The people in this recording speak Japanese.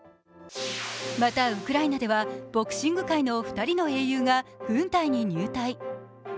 また、ウクライナではボクシング界の２人の英雄が軍隊に入隊。